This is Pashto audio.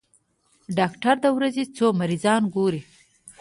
ډاکټر د ورځې څو مريضان ګوري؟